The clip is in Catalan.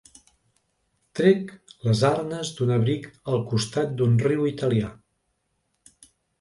Trec les arnes d'un abric al costat d'un riu italià.